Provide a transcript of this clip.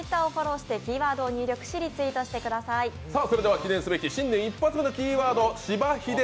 記念すべき新年１発目のキーワード。